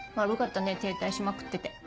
悪かったね停滞しまくってて。